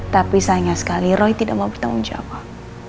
tapi sayang sekali roy tidak mau bertanggung jawab